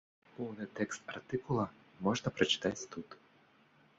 Поўны тэкст артыкула можна прачытаць тут.